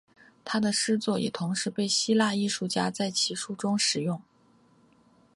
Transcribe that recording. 他的诗作也同时被希腊艺术家在其书中使用。